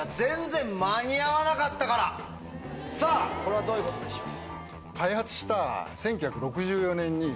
さぁこれはどういうことでしょう？